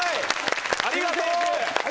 ありがとう！